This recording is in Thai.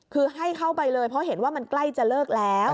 คือให้เข้าไปเลยเพราะเห็นว่ามันใกล้จะเลิกแล้ว